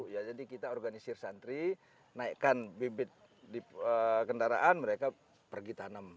ya jadi kita organisir santri naikkan bibit di kendaraan mereka pergi tanam